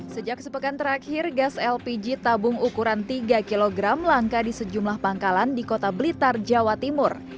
sejak sepekan terakhir gas lpg tabung ukuran tiga kg langka di sejumlah pangkalan di kota blitar jawa timur